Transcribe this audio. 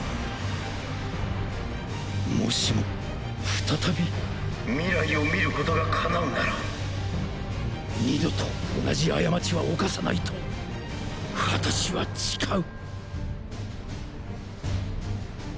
もしも再び未来を見ることが叶うなら二度と同じ過ちは犯さないと私は誓う。